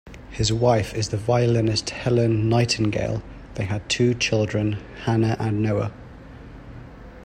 His wife is the violinist Helen Nightengale; they have two children, Hanna and Noah.